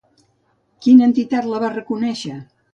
Quina entitat la va reconèixer?